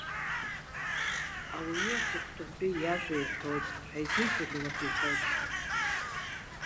Ауаҩ аҵыхәтәантәи иажәа иҳәоит, ҳаизыӡрҩлап аҳәозшәа.